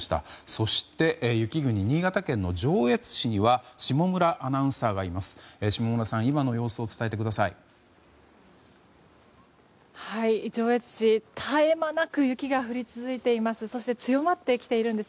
そして雪国・新潟県の上越市には下村アナウンサーがいます。